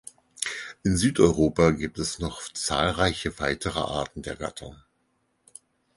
In Südeuropa gibt es noch zahlreiche weitere Arten der Gattung.